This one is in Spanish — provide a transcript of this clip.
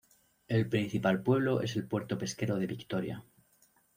El principal pueblo es el puerto pesquero de Victoria.